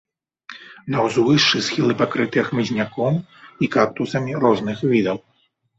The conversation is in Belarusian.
На ўзвышшы схілы пакрытыя хмызняком і кактусамі розных відаў.